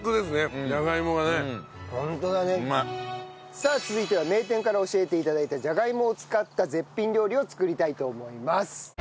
さあ続いては名店から教えて頂いたじゃがいもを使った絶品料理を作りたいと思います。